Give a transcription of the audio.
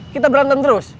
kita berantem terus